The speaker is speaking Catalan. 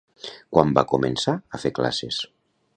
Quan va començar a fer classes?